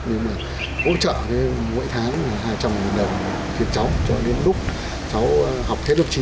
để hỗ trợ mỗi tháng hai trăm linh đồng cho đến lúc cháu học hết lớp chín